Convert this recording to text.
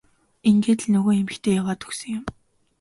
Ингээд л нөгөө эмэгтэй яваад өгсөн юм.